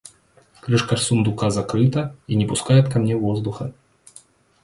Крышка сундука закрыта и не пускает ко мне воздуха.